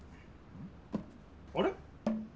あれ？